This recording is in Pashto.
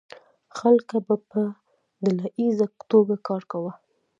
خلکو به په ډله ایزه توګه کار کاوه.